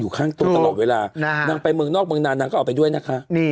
ข้างตัวตลอดเวลานางไปเมืองนอกเมืองนานนางก็เอาไปด้วยนะคะ